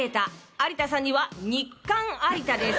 有田さんには「日刊有田」です。